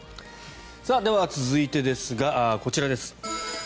では、続いてですがこちらです。